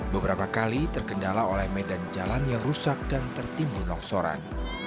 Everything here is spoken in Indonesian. beberapa kali terkendala oleh medan jalan yang rusak dan tertimbun longsoran